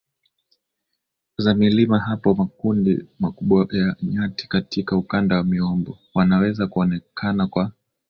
za milima Hapo makundi makubwa ya nyati katika ukanda wa miombo wanaweza kuonekanaKwa